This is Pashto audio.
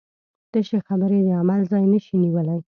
تشې خبرې د عمل ځای نشي نیولی.